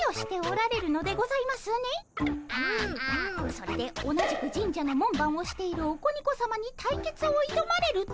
それで同じく神社の門番をしているオコニコさまに対決をいどまれると。